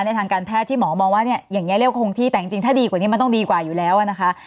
ทางการแพทย์ที่หมอมองว่าเนี่ยอย่างนี้เรียกว่าคงที่แต่จริงถ้าดีกว่านี้มันต้องดีกว่าอยู่แล้วนะคะ